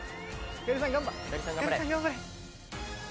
ガリさん頑張れ！